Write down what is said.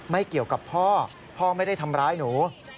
เกี่ยวกับพ่อพ่อไม่ได้ทำร้ายหนู